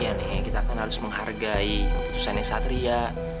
iya nek kita kan harus menghargai keputusannya satria